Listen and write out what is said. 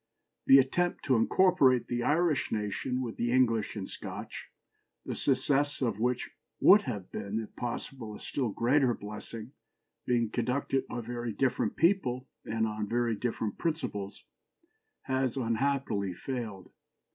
The attempt to incorporate the Irish nation with the English and Scotch, the success of which would have been, if possible, a still greater blessing, being conducted by very different people and on very different principles, has unhappily failed.